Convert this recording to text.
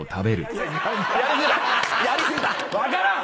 分からん！